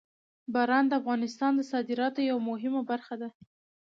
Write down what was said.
باران د افغانستان د صادراتو یوه مهمه برخه ده.